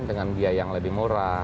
dengan biaya yang lebih murah